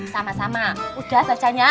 sama sama udah saja ya